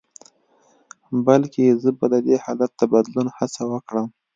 بلکې زه به د دې حالت د بدلون هڅه وکړم.